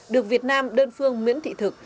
được việt nam đơn phương miễn thị thực